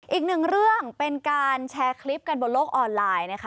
อีกหนึ่งเรื่องเป็นการแชร์คลิปกันบนโลกออนไลน์นะคะ